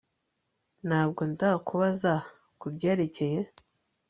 Ntabwo ndakubaza kubyerekeye